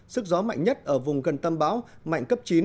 sức gió mạnh nhất ở vùng gần tâm bão mạnh cấp chín